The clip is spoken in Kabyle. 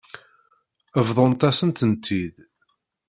Bḍant-asen-tent-id.